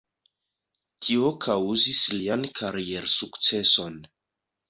Tio kaŭzis lian kariersukceson.